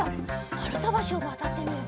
まるたばしをわたってみよう。